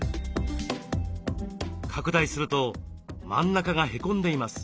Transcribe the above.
拡大すると真ん中がへこんでいます。